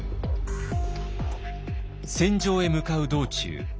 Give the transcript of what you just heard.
戦場へ向かう道中